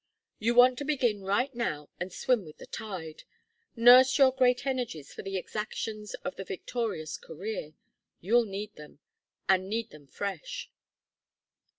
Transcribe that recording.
You want to begin right now and swim with the tide. Nurse your great energies for the exactions of the victorious career. You'll need them. And need them fresh."